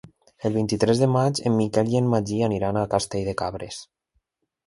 El vint-i-tres de maig en Miquel i en Magí aniran a Castell de Cabres.